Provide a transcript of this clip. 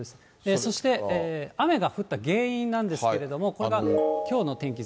そして、雨が降った原因なんですけれども、これがきょうの天気図